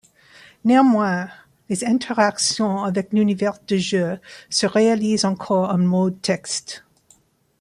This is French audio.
Néanmoins, les interactions avec l'univers de jeu se réalisent encore en mode texte.